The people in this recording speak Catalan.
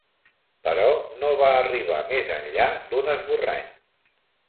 Però no va arribar més enllà d'un esborrany.